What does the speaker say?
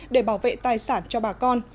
để bảo vệ tài sản cho bà con